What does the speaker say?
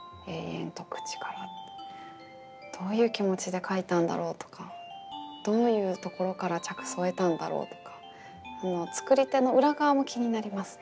んとくちからどういう気持ちで書いたんだろうとかどういうところから着想を得たんだろうとか作り手の裏側も気になりますね。